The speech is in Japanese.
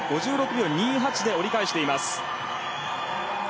５６秒２８で折り返しています。